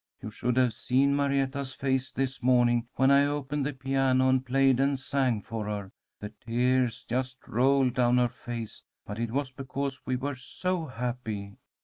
You should have seen Marietta's face this morning when I opened the piano and played and sang for her. The tears just rolled down her face, but it was because we were so happy.